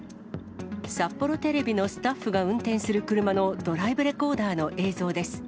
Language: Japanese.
札幌テレビのスタッフが運転する車のドライブレコーダーの映像です。